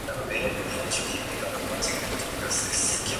The next night he begins to remember more of his past.